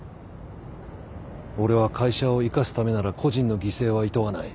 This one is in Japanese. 俺は会社を生かすためなら個人の犠牲はいとわない。